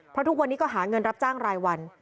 เพราะทุกวันนี้ก็หาเงินรับจ้างรายวัน